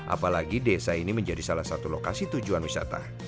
apalagi desa ini menjadi salah satu lokasi tujuan wisata